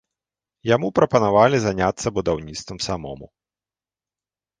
Яму прапанавалі заняцца будаўніцтвам самому.